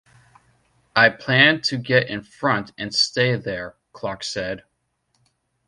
"I planned to get in front and stay there," Clark said.